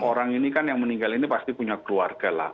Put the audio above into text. orang ini kan yang meninggal ini pasti punya keluarga lah